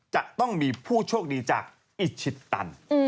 จะต้องมีผู้โชคดีจากอิชิตัน